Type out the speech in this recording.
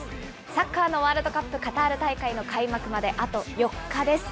サッカーのワールドカップ、カタール大会の開幕まであと４日です。